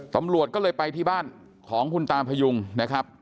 ตำรวจก็เลยไปที่บ้านของคุณตาพยุงนะครับ